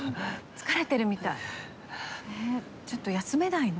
疲れてるみたいえっちょっと休めないの？